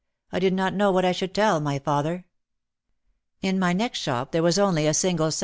I did not know what I should tell my father. In my next shop there was only a single set.